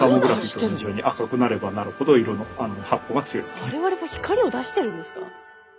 我々は光を出してるんですか。